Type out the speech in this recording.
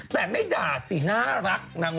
แต่ไม่ด่าสิน่ารักนาง